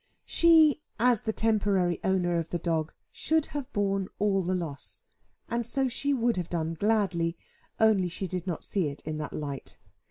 She, as the temporary owner of the dog, should have borne all the loss; and so she would have done gladly, only she did not see it in that light.